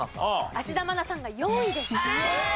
芦田愛菜さんが４位でした。